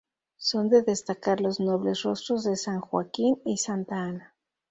Son de destacar los nobles rostros de San Joaquín y Santa Ana.